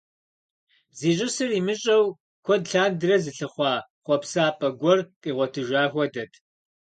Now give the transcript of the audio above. Зищӏысыр имыщӏэу куэд лъандэрэ зылъыхъуэ хъуэпсапӏэ гуэр къигъуэтыжа хуэдэт.